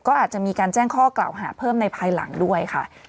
ก็อาจจะมีการแจ้งข้อกล่าวหาเพิ่มในภายหลังด้วยค่ะ